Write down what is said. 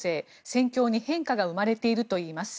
戦況に変化が生まれているといいます。